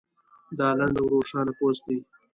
دا لنډ او روښانه پوسټ دی